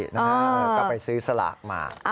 ก็ไปซื้อสลากมา